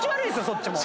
そっちも。